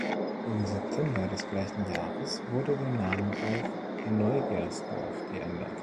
Im September des gleichen Jahres wurde der Name auf Neugersdorf geändert.